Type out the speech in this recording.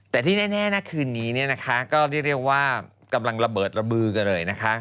แต่ที่แน่นะคืนนี้เนี่ยนะคะก็เรียกว่ากำลังระเบิดระบือกันเลยนะคะ